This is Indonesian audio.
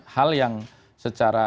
hal yang secara